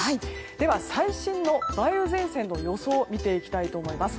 では、最新の梅雨前線の予想見ていきたいと思います。